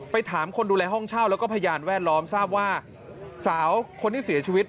ถามคนดูแลห้องเช่าแล้วก็พยานแวดล้อมทราบว่าสาวคนที่เสียชีวิต